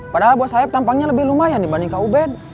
padahal buat saeb tampangnya lebih lumayan dibanding kak uben